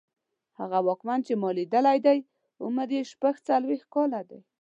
هغه واکمن چې ما لیدلی دی عمر یې شپږڅلوېښت کاله دی.